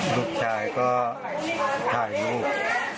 ลูกชายก็ถ่ายรูป